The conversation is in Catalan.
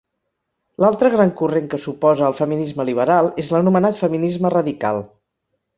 L'altre gran corrent que s'oposa al feminisme liberal és l'anomenat feminisme radical.